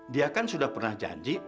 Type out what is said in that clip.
dia kan sudah pernah janji